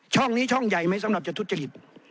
ช่องนี้ช่องใหญ่ไหมสำหรับจะทุจริต